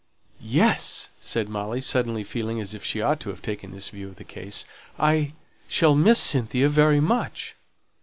"Yes!" said Molly, suddenly feeling as if she ought to have taken this view of the case. "I shall miss Cynthia very much."